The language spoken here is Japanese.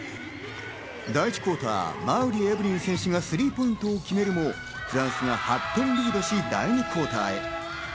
第１クオーター、馬瓜エブリン選手がスリーポイントを決めるもフランスが８点リードし、第２クオーターへ。